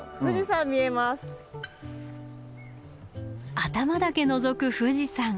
頭だけのぞく富士山。